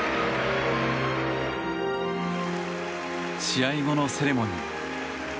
試合後のセレモニー。